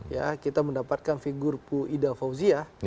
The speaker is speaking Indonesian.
ya kita mendapatkan figur bu ida fauzia